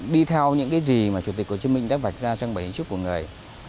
đi theo những cái gì mà chủ tịch hồ chí minh đã vạch ra trong bản chức của người